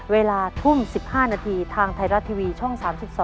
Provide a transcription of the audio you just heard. เวลาทุ่ม๑๕นาทีทางไทยรัฐทีวีช่อง๓๒